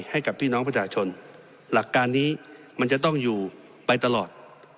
ให้กับพี่น้องประชาชนหลักการนี้มันจะต้องอยู่ไปตลอด